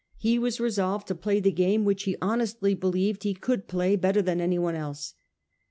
He was resolved to play the game which he honestly believed he could play better than anyone else.